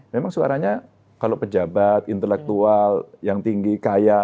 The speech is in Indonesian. memang suaranya kalau pejabat intelektual yang tinggi kaya